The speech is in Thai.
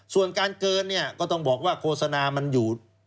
ส่วนการเกินเนี่ยก็ต้องบอกว่าโฆษณามันอยู่